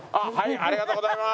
ありがとうございます。